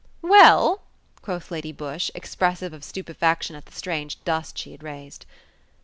"Well?" quoth Lady Busshe, expressive of stupefaction at the strange dust she had raised.